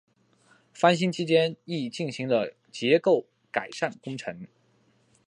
翻新期间亦进行了结构改善工程。